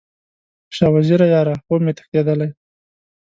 شاه وزیره یاره، خوب مې تښتیدلی